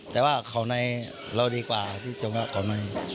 แต่ว่าเขาในเราดีกว่าที่จะแวะเขาใน